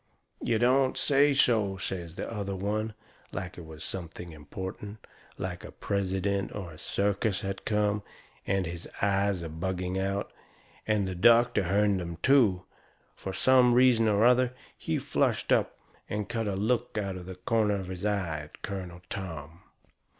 "You don't say so!" says the other one, like it was something important, like a president or a circus had come, and his eyes a bugging out. And the doctor hearn them, too. Fur some reason or other he flushed up and cut a look out of the corner of his eye at Colonel Tom.